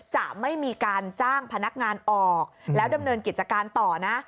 จะไม่มีการจ้างพนักงานออกแล้วดำเนินกิจการต่อนะ